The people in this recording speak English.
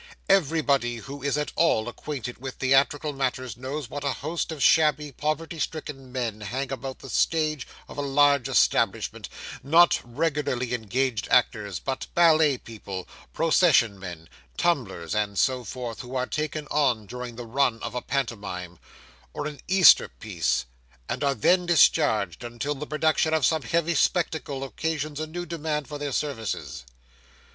'Everybody who is at all acquainted with theatrical matters knows what a host of shabby, poverty stricken men hang about the stage of a large establishment not regularly engaged actors, but ballet people, procession men, tumblers, and so forth, who are taken on during the run of a pantomime, or an Easter piece, and are then discharged, until the production of some heavy spectacle occasions a new demand for their services.